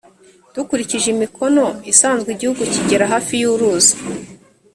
dukurikije imikono isanzwe igihugu kigera hafi yuruzi